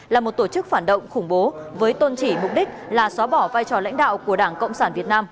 là một tổ chức phản động khủng bố với tôn trị mục đích là xóa bỏ vai trò lãnh đạo của đảng cộng sản việt nam